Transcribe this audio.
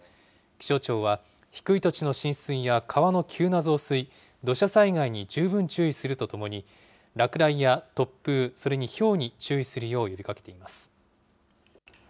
気象庁は低い土地の浸水や川の急な増水、土砂災害に十分注意するとともに、落雷や突風、それにひょうに注意するよう呼びかけています。